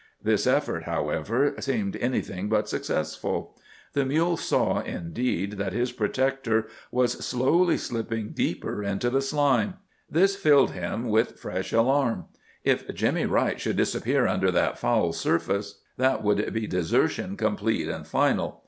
This effort, however, seemed anything but successful. The mule saw, indeed, that his protector was slowly slipping deeper into the slime. This filled him with fresh alarm. If Jimmy Wright should disappear under that foul surface, that would be desertion complete and final.